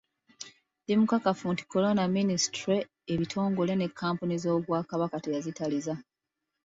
Ndi mukakafu nti Corona minisitule, ebitongole ne kkampuni z'Obwakabaka teyazitaliza.